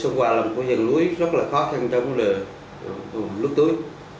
sông hoa là một khu vườn núi rất là khó khăn trong lưới tưới